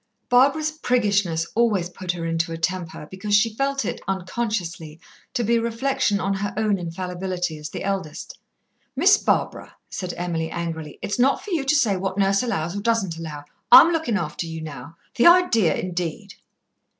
Barbara's priggishness always put her into a temper, because she felt it, unconsciously, to be a reflection on her own infallibility as the eldest. "Miss Barbara," said Emily angrily, "it's not for you to say what Nurse allows or doesn't allow; I'm looking after you now. The idea, indeed!"